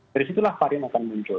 dari situlah varian akan muncul